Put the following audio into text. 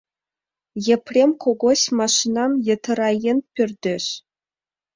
Епрем Когось машинам йытыраен пӧрдеш.